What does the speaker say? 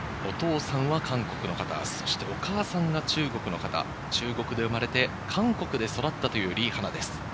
リ・ハナ、お父さんは韓国の方、そしてお母さんが中国の方、中国で生まれて、韓国で育ったというリ・ハナです。